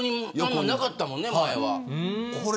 なかったもんね、前は。